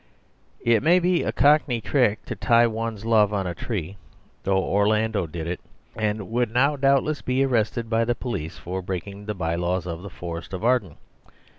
It may be a cockney trick to tie one's love on a tree; though Orlando did it, and would now doubtless be arrested by the police for breaking the bye laws of the Forest of Arden.